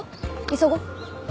急ごう。